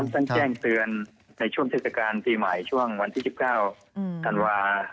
โดยต้องแจ้งเตือนในช่วงเทศกาลภี่หมายช่วงวันที่๑๙ธันวาส๕๐๘